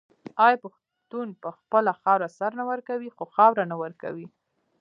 آیا پښتون په خپله خاوره سر نه ورکوي خو خاوره نه ورکوي؟